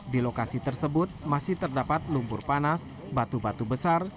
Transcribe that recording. di lokasi tersebut masih terdapat lumpur panas batu batu besar